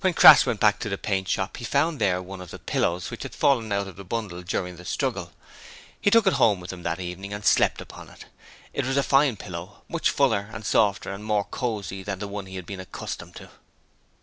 When Crass went back to the paint shop he found there one of the pillows which had fallen out of the bundle during the struggle. He took it home with him that evening and slept upon it. It was a fine pillow, much fuller and softer and more cosy than the one he had been accustomed to.